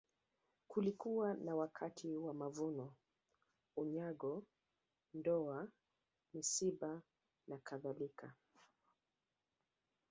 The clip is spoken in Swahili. Kulikuwa na wakati wa mavuno unyago ndoa misiba na kadhalika